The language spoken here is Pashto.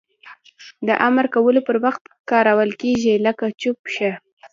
د امر کولو پر وخت کارول کیږي لکه چوپ شه!